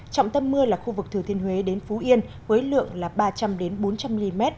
trọng tâm mưa là khu vực thừa thiên huế đến phú yên với lượng ba trăm linh bốn trăm linh mm